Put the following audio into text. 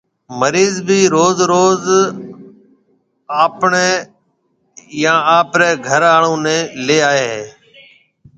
مريض ڀِي روز روز آپنيَ يان آپريَ گهر آݪون نَي ليَ آئي هيَ۔